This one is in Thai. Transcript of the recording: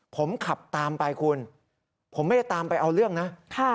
ผมขับตามไปคุณผมไม่ได้ตามไปเอาเรื่องนะค่ะ